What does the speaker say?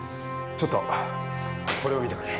ちょっとこれを見てくれ。